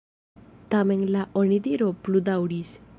Tamen la onidiro pludaŭris.